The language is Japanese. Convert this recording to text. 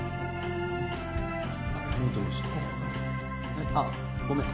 えっ？あっごめん。